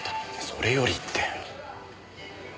「それより」って。